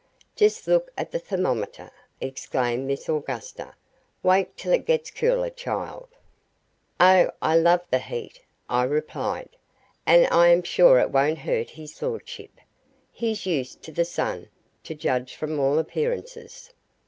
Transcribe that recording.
"Just look at the thermometer!" exclaimed Miss Augusta. "Wait till it gets cooler, child." "Oh, I love the heat!" I replied. "And I am sure it won't hurt his lordship. He's used to the sun, to judge from all appearances."